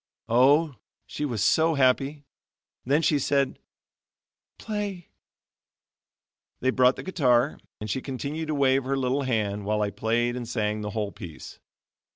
Oh! she was so happy. Then she said: "Play." They brought the guitar, and she continued to wave her little hand, while I played and sang the whole piece.